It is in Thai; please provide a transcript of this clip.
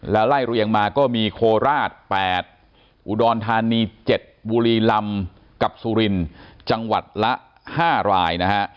แล้วไล่เรียงมาก็มีโคราช๘อุดรธานี๗บุรีลำกับสุรินจังหวัดละ๕รายนะฮะ